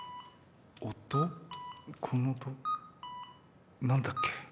この音何だっけ？